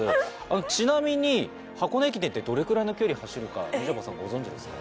ちなみに箱根駅伝ってどれくらいの距離走るかみちょぱさんご存じですか？